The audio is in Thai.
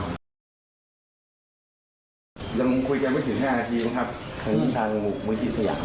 ผมก็ยอมรับนะครับว่าเราคือคนโพสต์จริง